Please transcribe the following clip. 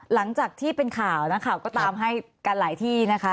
หลังจากที่เป็นข่าวนักข่าวก็ตามให้กันหลายที่นะคะ